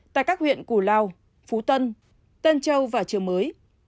tại các huyện cù lao phú tân tân châu và trường mới